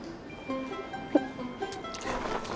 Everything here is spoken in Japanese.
はい。